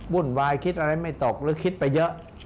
วุ่นวายคิดอะไรไม่ตกหรือคิดไปเยอะ